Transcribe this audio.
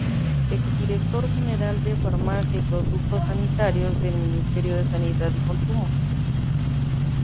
Ex-director general de Farmacia y Productos Sanitarios del Ministerio de Sanidad y Consumo.